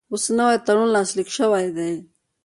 اوس نوی تړون لاسلیک شوی دی.